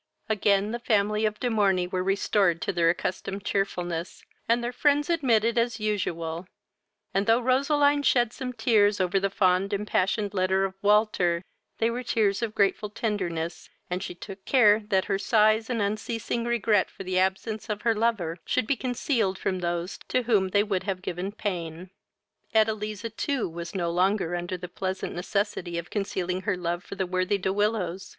Again the family of De Morney were restored to their accustomed cheerfulness, and their friends admitted as usual; and, though Roseline shed some tears over the fond impassioned letter of Walter, they were tears of grateful tenderness, and she took care that her sighs and unceasing regret for the absence of her lover should be concealed from those to whom they would have given pain. Edeliza too was no longer under the unpleasant necessity of concealing her love for the worthy De Willows.